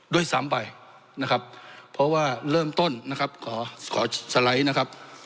ด้วยซ้ำไปเพราะว่าเริ่มต้นขอสไลด์